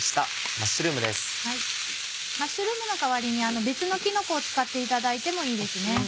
マッシュルームの代わりに別のキノコを使っていただいてもいいです。